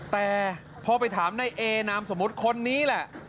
แต่พอไปถามในเอนามสมมุติคนนี้แหละ